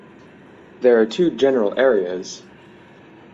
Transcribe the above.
There are two general areas.